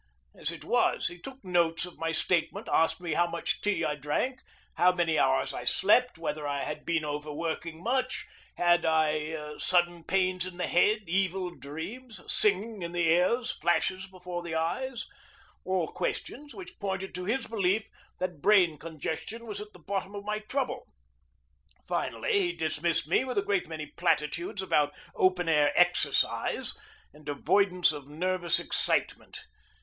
As it was, he took notes of my statement, asked me how much tea I drank, how many hours I slept, whether I had been overworking much, had I had sudden pains in the head, evil dreams, singing in the ears, flashes before the eyes all questions which pointed to his belief that brain congestion was at the bottom of my trouble. Finally he dismissed me with a great many platitudes about open air exercise, and avoidance of nervous excitement.